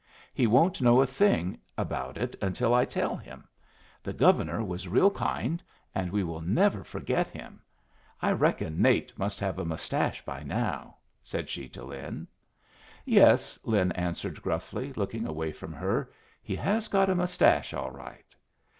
He won't know a thing about it till I tell him. The Governor was real kind, and we will never forget him. I reckon Nate must have a mustache by now?" said she to Lin. "Yes," Lin answered, gruffly, looking away from her, "he has got a mustache all right."